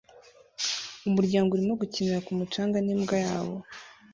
Umuryango urimo gukinira ku mucanga n'imbwa yabo